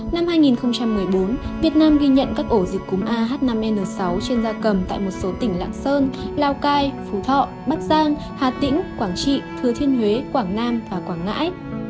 năm hai nghìn một mươi bốn việt nam ghi nhận các ổ dịch cúm ah năm n sáu trên da cầm tại một số tỉnh lạng sơn lào cai phú thọ bắc giang hà tĩnh quảng trị thừa thiên huế quảng nam và quảng ngãi